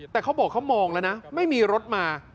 แต่เขาบอกเขามองแล้วนะไม่มีรถมา